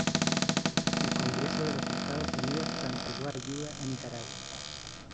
El congreso de los Estados Unidos canceló ayuda a Nicaragua.